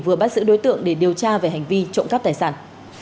vừa bắt giữ đối tượng để điều tra về hành vi trộm cắp tài sản